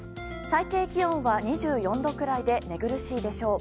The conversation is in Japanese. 最低気温は２４度くらいで寝苦しいでしょう。